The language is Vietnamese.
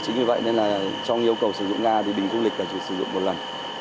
chính vì vậy nên là trong yêu cầu sử dụng ga thì bình du lịch là chỉ sử dụng một lần